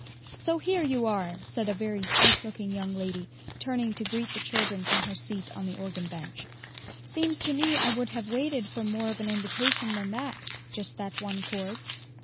"So here you are!" said a very sweet looking young lady, turning to greet the children from her seat on the organ bench. "Seems to me I would have waited for more of an invitation than that, just that one chord."